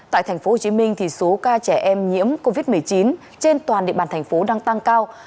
tại tp hcm số ca trẻ em nhiễm covid một mươi chín trên toàn địa bàn thành phố đang tăng cao